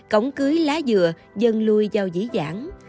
cổng cưới lá dừa dân lui vào dĩ dãn